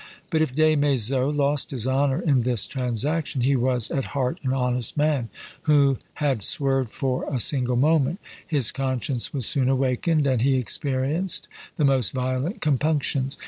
But if Des Maizeaux lost his honour in this transaction, he was at heart an honest man, who had swerved for a single moment; his conscience was soon awakened, and he experienced the most violent compunctions.